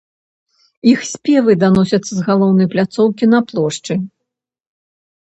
Іх спевы даносяцца з галоўнай пляцоўкі на плошчы.